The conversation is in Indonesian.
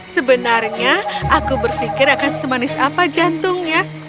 sebenarnya aku berpikir akan semanis apa jantungnya